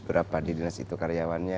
berapa di dinas itu karyawannya